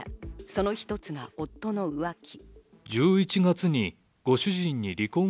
その一つが夫の浮気。